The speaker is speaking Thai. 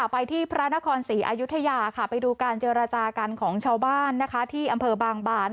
ไปที่พระนครศรีอายุทยาค่ะไปดูการเจรจากันของชาวบ้านนะคะที่อำเภอบางบาน